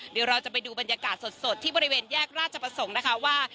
เดี๋ยวเราจะไปดูบรรยากาศสดที่บริเวณแยกราชประสงค์นะคะว่า